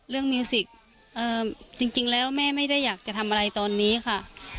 มิวสิกจริงแล้วแม่ไม่ได้อยากจะทำอะไรตอนนี้ค่ะ